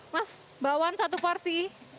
mas bakwan satu porsi